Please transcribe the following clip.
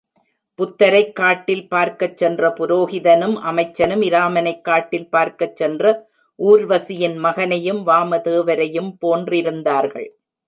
புத்தரைக் காட்டில் பார்க்கச் சென்ற புரோகிதனும் அமைச்சனும் இராமனைக் காட்டில் பார்க்கச் சென்ற ஊர்வசியின் மகனையும் வாமதேவரையும் போன்றிருந்தார்கள்.